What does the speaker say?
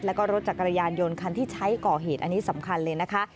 แล้วก็รถจักรยานยนต์คันที่ใช้ก่อเหตุอันนี้สำคัญเลยนะคะ